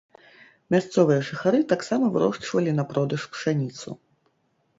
Мясцовыя жыхары таксама вырошчвалі на продаж пшаніцу.